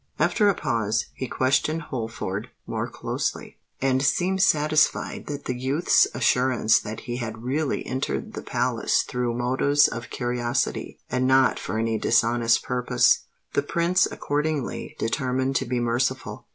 After a pause, he questioned Holford more closely, and seemed satisfied by the youth's assurance that he had really entered the palace through motives of curiosity, and not for any dishonest purpose. The Prince accordingly determined to be merciful.